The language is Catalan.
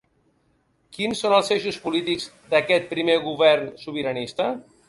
Quins són els eixos polítics d’aquest primer govern sobiranista?